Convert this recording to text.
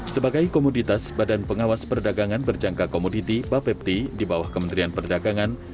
sebagai komoditas badan pengawas perdagangan berjangka komoditi bapepti di bawah kementerian perdagangan